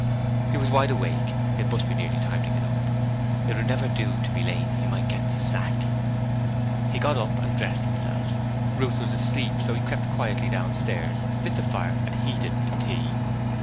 He was wide awake: it must be nearly time to get up. It would never do to be late; he might get the sack. He got up and dressed himself. Ruth was asleep, so he crept quietly downstairs, lit the fire and heated the tea.